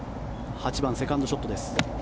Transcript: ８番セカンドショットです。